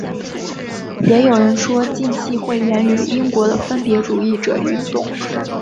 也有人说浸信会源于英国的分别主义者运动。